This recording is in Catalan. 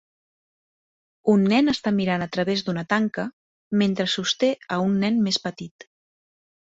Un nen està mirant a través d'una tanca, mentre sosté a un nen més petit.